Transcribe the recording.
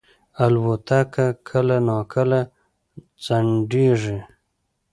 الوتکه کله ناکله ځنډېږي.